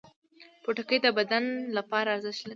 پوټکی د بدن لپاره څه ارزښت لري؟